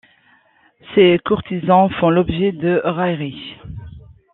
Ces courtisans font l’objet de railleries.